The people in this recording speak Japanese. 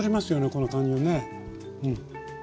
この感じはね。